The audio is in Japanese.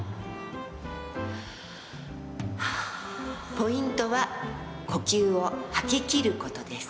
ポイントは呼吸を吐き切ることです。